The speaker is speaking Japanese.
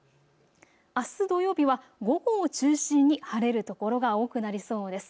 あす土曜日は午後を中心に晴れる所が多くなりそうです。